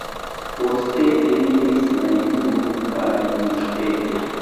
Poste eniris al Juro kaj Justeco.